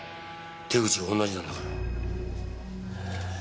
手口が同じなんだから。